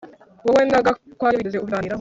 Wowe na Gakwaya wigeze ubiganiraho